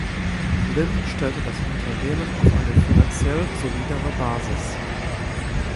Lynne stellte das Unternehmen auf eine finanziell solidere Basis.